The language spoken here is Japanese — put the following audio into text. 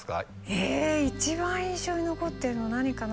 ええっ一番印象に残ってるの何かな